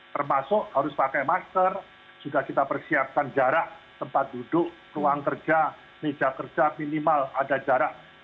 termasuk harus pakai masker juga kita persiapkan jarak tempat duduk ruang kerja meja kerja minimal ada jarak